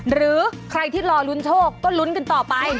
หรือใครที่รอลุ้นโชคก็ลุ้นกันต่อไป